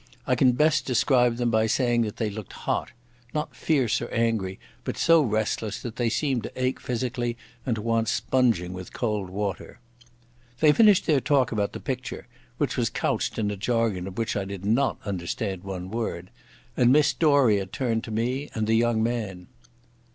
I can best describe them by saying that they looked hot—not fierce or angry, but so restless that they seemed to ache physically and to want sponging with cold water. They finished their talk about the picture—which was couched in a jargon of which I did not understand one word—and Miss Doria turned to me and the young man.